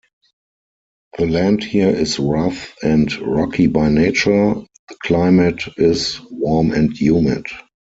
The land here is rough and rocky by nature. The climate is warm and humid.